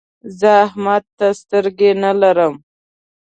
زه احمد ته سترګې نه لرم.